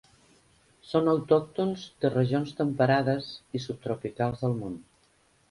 Són autòctons de regions temperades i subtropicals del món.